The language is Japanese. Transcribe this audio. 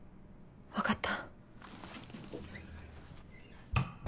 わかった。